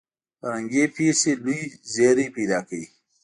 فرهنګي پېښې لوی زیری پیدا کوي.